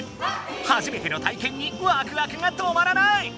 はじめてのたいけんにワクワクが止まらない！